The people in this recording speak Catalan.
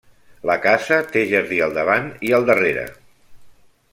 La casa té jardí al davant i al darrere.